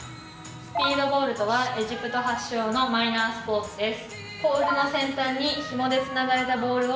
スピードボールとはエジプト発祥のマイナースポーツです。